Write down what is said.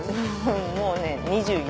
もうね２４。